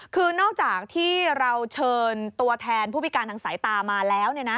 คือนอกจากที่เราเชิญตัวแทนผู้พิการทางสายตามาแล้ว